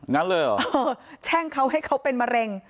งั้นเลยเหรอแช่งเขาให้เขาเป็นมะเร็ง